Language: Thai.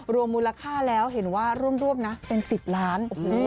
รวมมูลค่าแล้วเห็นว่าร่วมนะเป็น๑๐ล้าน